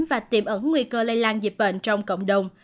và tiềm ẩn nguy cơ lây lan dịch bệnh trong cộng đồng